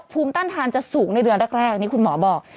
ภูมิต้านทานจะสูงในเดือนแรกนี่คุณหมอบอก